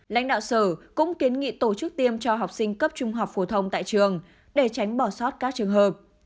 lãnh đạo sở cũng kiến nghị tổ chức tiêm cho học sinh cấp trung học phổ thông tại trường để tránh bỏ sót các trường hợp